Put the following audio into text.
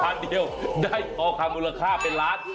อันเดียวได้ทองคำมูลค่าเป็นล้าน